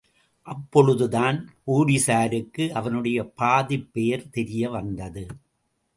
அப்பொழுதுதான் போலிஸாருக்கு அவனுடைய பாதிப் பெயர் தெரிய வந்தது!